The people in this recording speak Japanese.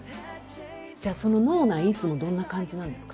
じゃあその脳内いつもどんな感じなんですか？